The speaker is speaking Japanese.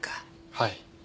はい。